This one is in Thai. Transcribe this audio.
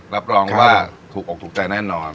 รับรองว่าถูกอกถูกใจแน่นอน